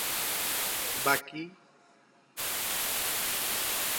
এর কয়েকদিন পর ওভালে সফরকারী বাংলাদেশ দলের বিপক্ষে একদিনের আন্তর্জাতিকে অভিষেক ঘটে তার।